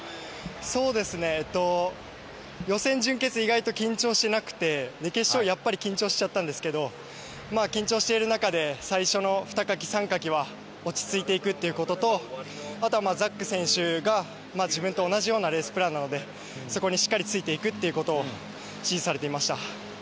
予選、準決意外と緊張しなくて決勝はやっぱり緊張しちゃったんですけど緊張している中で最初の２かき、３かきは落ち着いていくということとあとはザック選手が自分と同じようなレースプランなのでそこにしっかりついていくことを指示されていました。